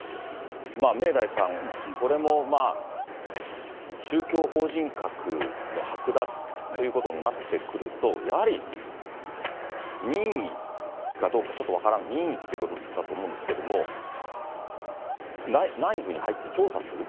明大さん、これも宗教法人格の剥奪ということになってくると、やはり任意かどうかちょっと分からない、任意ということだと思うんですけれども、内部に入って調査する？